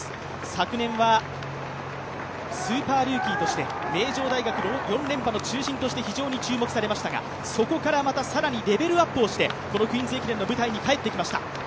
昨年はスーパールーキーとして名城大学の４連覇の中心として非常に注目されましたがそこからまた更にレベルアップをしてクイーンズ駅伝の舞台に帰ってきました。